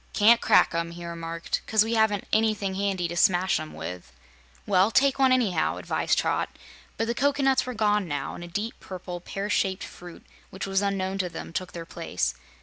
"Ca'n't crack 'em," he remarked, "'cause we haven't anything handy to smash 'em with." "Well, take one, anyhow," advised Trot; but the cocoanuts were gone now, and a deep, purple, pear shaped fruit which was unknown to them took their place.